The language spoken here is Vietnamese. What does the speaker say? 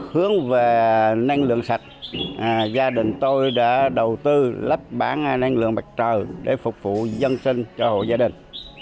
hướng về năng lượng sạch gia đình tôi đã đầu tư lắp bán năng lượng mặt trời để phục vụ dân sinh cho hộ gia đình